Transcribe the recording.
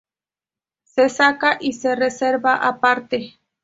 Se saca y se reserva aparte.